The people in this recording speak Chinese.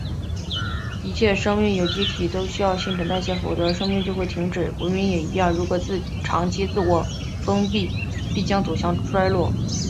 一切生命有机体都需要新陈代谢，否则生命就会停止。文明也是一样，如果长期自我封闭，必将走向衰落。